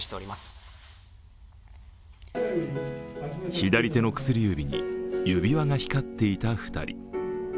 左手の薬指に指輪が光っていた２人。